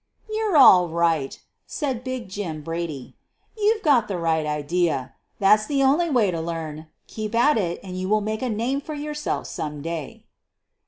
" You're all right," said Big Jim Brady. "You've got the right idea — that's the only way to learn; keep at it and you will make a name for yourself some day."